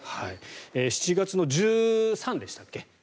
７月の１３日でしたっけ？